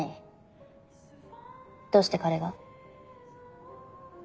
どうして彼が？